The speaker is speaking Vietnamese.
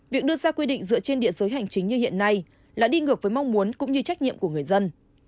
việc đưa ra quy định dựa trên địa giới hành chính như hiện nay là đi ngược với mong muốn cũng như trách nhiệm của người dân